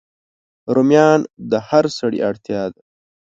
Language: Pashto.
رومیان د هر سړی اړتیا ده